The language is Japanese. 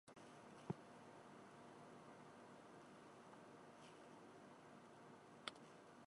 なるほど、さすがの羊公も、今は一片の石で、しかも剥落して青苔を蒙つてゐる。だから人生はやはり酒でも飲めと李白はいふのであらうが、ここに一つ大切なことがある。